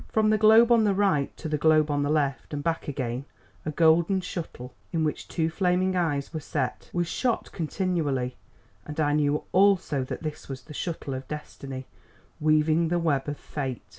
From the globe on the right to the globe on the left, and back again, a golden shuttle, in which two flaming eyes were set, was shot continually, and I knew also that this was the shuttle of Destiny, weaving the web of Fate.